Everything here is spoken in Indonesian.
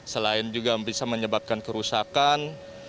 selain juga bisa menyebabkan kerusakan